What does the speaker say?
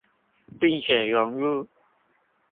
並且融入